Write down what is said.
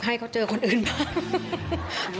ก็ให้เขาเจอคนอื่นมาก